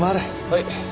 はい。